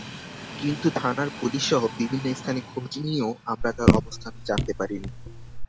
কিন্তু থানার পুলিশসহ বিভিন্ন স্থানে খোঁজ নিয়েও আমরা তার অবস্থান জানতে পারিনি।